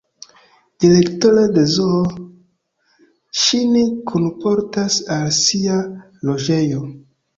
Direktoro de zoo ŝin kunportas al sia loĝejo.